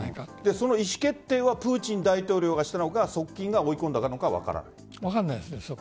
その意思決定はプーチン大統領がしたのか側近が追い込んだのかは分からない？